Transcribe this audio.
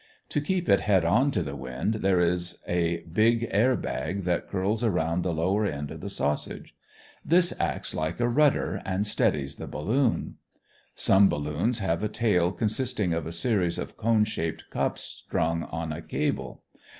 To keep it head on to the wind, there is a big air bag that curls around the lower end of the sausage. This acts like a rudder, and steadies the balloon. Some balloons have a tail consisting of a series of cone shaped cups strung on a cable.